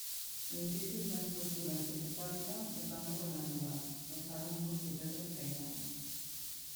L'edifici és una estructura arquitectònica de planta quadrangular alçada amb murs de pedra escairada.